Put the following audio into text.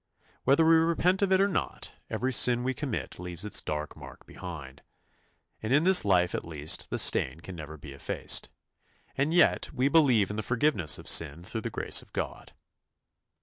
Whether we repent of it or not, every sin we commit leaves its dark mark behind, and in this life at least the stain can never be effaced; and yet we believe in the forgiveness of sin through the grace of God.